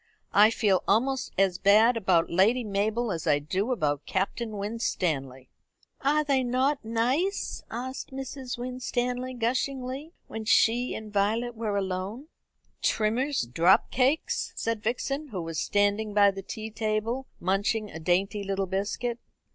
"I feel almost as bad about Lady Mabel as I do about Captain Winstanley." "Are they not nice?" asked Mrs. Winstanley gushingly, when she and Violet were alone. "Trimmer's drop cakes?" said Vixen, who was standing by the tea table munching a dainty little biscuit.